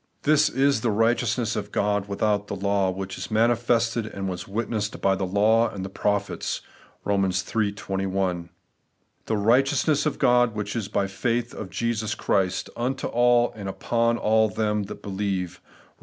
This is * the righteousness of God without the law which is manifested, and was witnessed by the law and tie prophets ' (Eom. iii 21); 'the righteousness of Grod which is by faith of Jesus Christ unto all and upon aU them that believe ' (Eom.